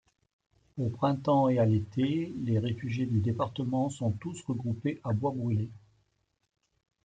Au printemps et à l'été, les réfugiés du département sont tous regroupés à Bois-Brûlé.